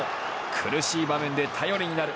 苦しい場面で頼りになる。